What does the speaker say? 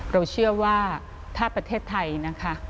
เราเชื่อว่าถ้าประเทศไทยนะคะ